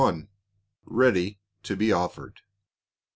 READY TO BE OFFERED.